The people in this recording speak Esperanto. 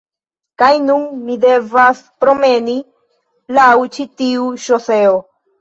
kaj nun mi devas promeni laŭ ĉi tiu ŝoseo.